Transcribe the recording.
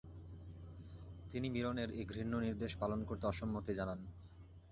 তিনি মীরনের এই ঘৃণ্য নির্দেশ পালন করতে অসম্মতি জানান।